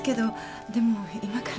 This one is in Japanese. でも今からじゃ。